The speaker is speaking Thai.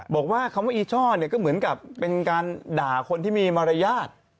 บอกว่าคำว่าอีช่อเนี่ยก็เหมือนกับเป็นการด่าคนที่มีมารยาท